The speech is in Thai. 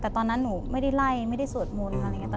แต่ตอนนั้นหนูไม่ได้ไล่ไม่ได้สวดมนต์อะไรอย่างนี้